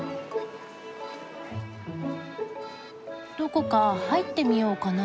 どこか入ってみようかな。